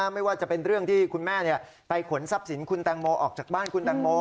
ไม่ว่าจะเป็นเรื่องที่คุณแม่ไปขนทรัพย์สินคุณแตงโมออกจากบ้านคุณแตงโม